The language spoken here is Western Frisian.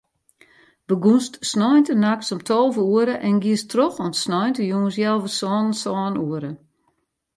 Begûnst sneintenachts om tolve oere en giest troch oant sneontejûns healwei sânen, sân oere.